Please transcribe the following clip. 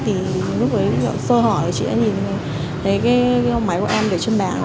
thì lúc ấy sơ hỏi thì chị đã nhìn thấy cái máy của em để chân bảng